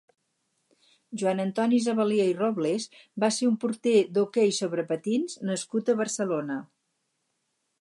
Joan Antoni Zabalia i Robles va ser un porter d'hoquei sobre patins nascut a Barcelona.